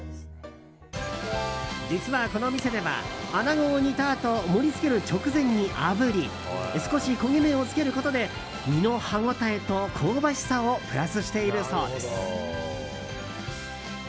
実はこの店ではアナゴを煮たあと盛り付ける直前にあぶり少し焦げ目をつけることで身の歯応えと香ばしさをプラスしているそうです。